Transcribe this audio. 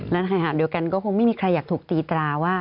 และในขณะเดียวกันก็คงไม่มีใครอยากถูกตีตราว่า